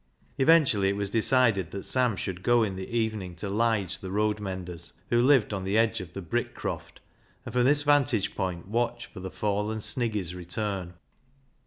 Eventually it was decided that Sam should go in the evening to Lige the road mender's, who lived on the edgQ of the Brickcroft, and from this vantage point watch for the fallen Sniggy 's return.